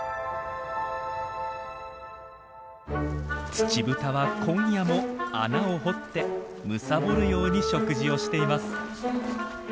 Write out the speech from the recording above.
ツチブタは今夜も穴を掘ってむさぼるように食事をしています。